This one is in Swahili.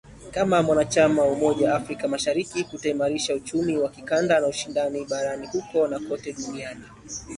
kama mwanachama wa umoja wa afrika mashariki kutaimarisha uchumi wa kikanda na ushindani barani huko na kote duniani